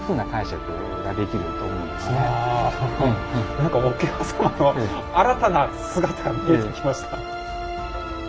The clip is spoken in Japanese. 何か桶狭間の新たな姿見えてきました。